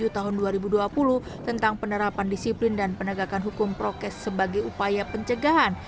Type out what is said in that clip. tujuh tahun dua ribu dua puluh tentang penerapan disiplin dan penegakan hukum prokes sebagai upaya pencegahan